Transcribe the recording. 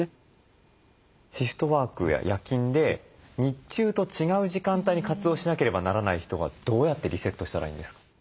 シフトワークや夜勤で日中と違う時間帯に活動しなければならない人はどうやってリセットしたらいいんですか？